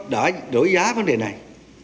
đổi giá vấn đề này